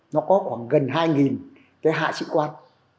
nó có khoảng gần hai cái hạ sĩ quan